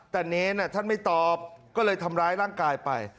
แต่เนรท่านไม่ตอบก็เลยทำร้ายร่างกายไป